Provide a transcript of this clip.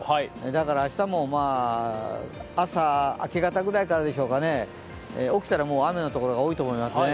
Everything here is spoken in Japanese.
だから、明日も朝、明け方くらいですからですかね、起きたら雨のところが多いと思いますね。